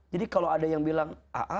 jadi kalau ada yang bilang